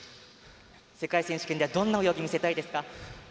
世界選手権ではどんな泳ぎを見せたいですか？